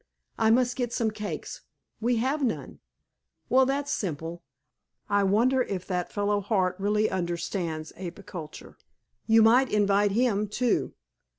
"I must get some cakes. We have none." "Well, that's simple. I wonder if that fellow Hart really understands apiaculture? You might invite him, too."